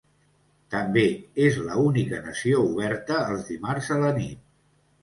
També és la única nació oberta els dimarts a la nit.